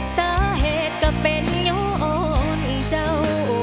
สาเหตุก็เป็นย้อนอ่อนเจ้า